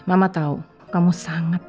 mama tau kamu sangat